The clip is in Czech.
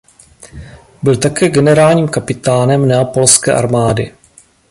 Byl také generálním kapitánem neapolské armády.